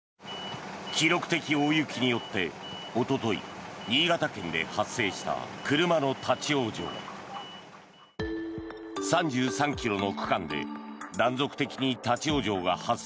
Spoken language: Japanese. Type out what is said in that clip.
記録的大雪によっておととい、新潟県で発生した車の立ち往生。